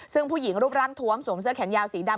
ซึ่งผู้หญิงรูปร่างทวมสวมเสื้อแขนยาวสีดำ